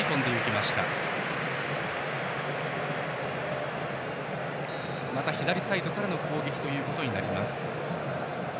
また左サイドからの攻撃となります。